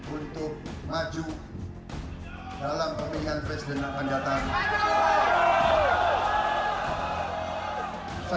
untuk maju dalam pemilihan presiden yang akan datang